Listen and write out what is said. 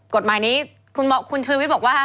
กฎหมายนี้คุณชูวิทย์บอกว่า